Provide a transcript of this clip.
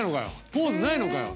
ポーズないのかよ？」